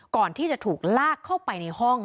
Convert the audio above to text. ก่อนที่จะถูกลากเข้าไปในห้อง